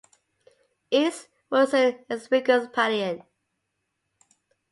East was an Episcopalian.